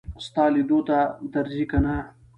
ستا لیدو ته درځي که نه.